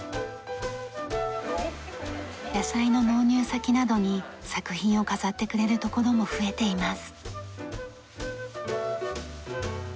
野菜の納入先などに作品を飾ってくれるところも増えています。